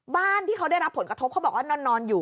บ้านที่เขาได้รับผลกระทบเขาบอกว่านอนอยู่